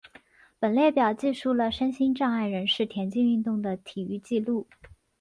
本列表记述了身心障碍人士田径运动的体育纪录。